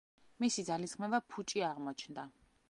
მისი ძალისხმევა ფუჭი აღმოჩნდა.